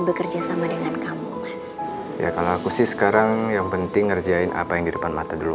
bekerja sama dengan kamu ya kalau aku sih sekarang yang penting ngerjain apa yang di depan mata dulu